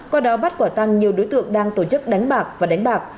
qua đó bắt quả tăng nhiều đối tượng đang tổ chức đánh bạc và đánh bạc